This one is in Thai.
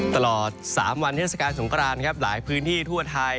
ตลอด๓วันเทศกาลสงครานครับหลายพื้นที่ทั่วไทย